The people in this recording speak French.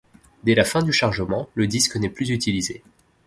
Dès la fin du chargement, le disque n'est plus utilisé.